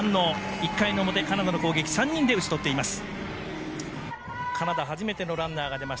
１回の表、カナダの攻撃３人で打ち取っています。